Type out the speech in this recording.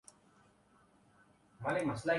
آخر قومی مفاد بھی کوئی چیز ہے۔